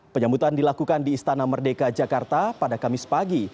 penyambutan dilakukan di istana merdeka jakarta pada kamis pagi